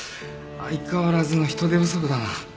相変わらずの人手不足だな。